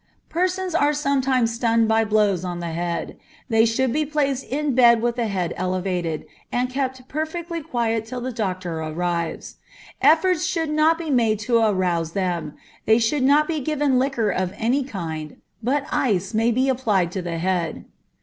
_ Persons are sometimes stunned by blows on the head. They should be placed in bed with the head elevated, and kept perfectly quiet till the doctor comes. Efforts should not be made to arouse them, they should not be given liquor of any kind, but ice may be applied to the head.